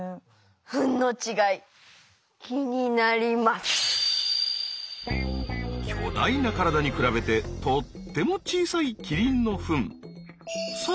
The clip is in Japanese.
フンの違い巨大な体に比べてとっても小さいキリンのフン。